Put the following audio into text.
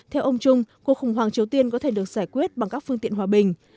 theo ông trung cuộc khủng hoảng triều tiên có thể được giải quyết bằng các phương tiện hòa bình